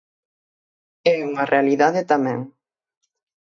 É unha realidade tamén.